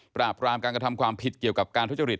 ปราบรามการกระทำความผิดเกี่ยวกับการทุจริต